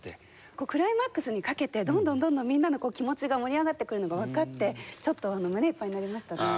クライマックスにかけてどんどんどんどんみんなの気持ちが盛り上がってくるのがわかってちょっと胸いっぱいになりましたね。